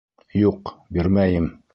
Юҡ, бирмәйем!